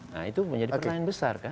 nah itu menjadi pertanyaan besar kan